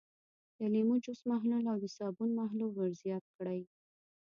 د لیمو جوس محلول او د صابون محلول ور زیات کړئ.